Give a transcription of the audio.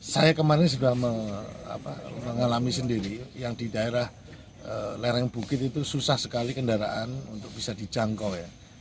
saya kemarin sudah mengalami sendiri yang di daerah lereng bukit itu susah sekali kendaraan untuk bisa dijangkau ya